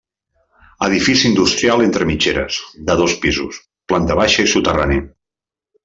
Edifici industrial entre mitgeres, de dos pisos, planta baixa i soterrani.